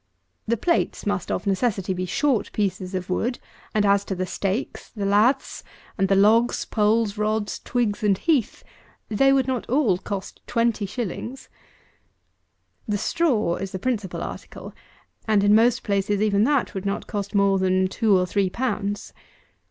The plates must of necessity be short pieces of wood; and, as to the stakes, the laths, and the logs, poles, rods, twigs, and heath, they would not all cost twenty shillings. The straw is the principal article; and, in most places, even that would not cost more than two or three pounds.